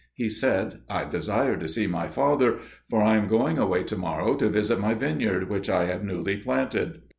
He said, "I desire to see my father, for I am going away to morrow to visit my vine yard which I have newly planted."